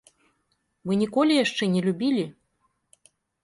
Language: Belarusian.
Вы ніколі яшчэ не любілі?